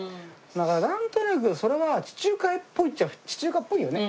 だからなんとなくそれは地中海っぽいっちゃ地中海っぽいよね。